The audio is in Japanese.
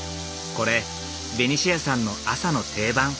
これベニシアさんの朝の定番。